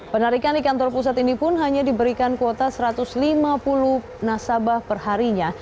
penarikan di kantor pusat ini pun hanya diberikan kuota satu ratus lima puluh nasabah perharinya